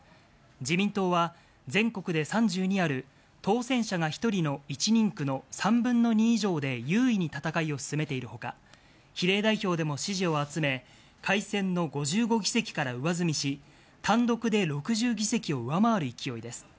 自民党が全国で３２ある当選者が１人の１人区の３分の２以上で優位に戦いを進めているほか、比例代表でも支持を集め、改選の５５議席から上積みし、単独で６０議席を上回る勢いです。